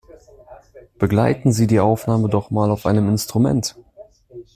Begleiten Sie die Aufnahme doch mal auf einem Instrument!